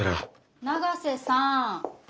永瀬さん。